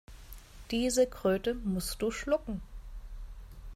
Diese Kröte musst du schlucken.